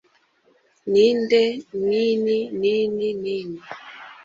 Ninde Nini Nini Nini